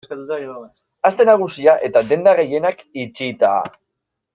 Aste Nagusia eta denda gehienak itxita.